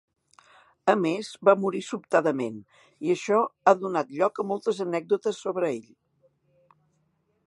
A més va morir sobtadament, i això ha donat lloc a moltes anècdotes sobre ell.